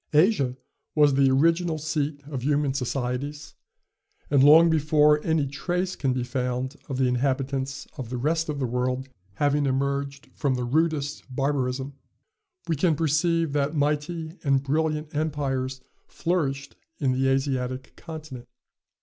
Asia was the original seat of human societies, and long before any trace can be found of the inhabitants of the rest of the world having emerged from the rudest barbarism, we can perceive that mighty and brilliant empires flourished in the Asiatic continent.